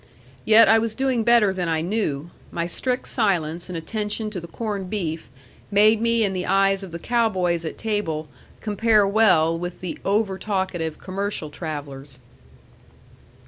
Yet I was doing better than I knew; my strict silence and attention to the corned beef made me in the eyes of the cow boys at table compare well with the over talkative commercial travellers.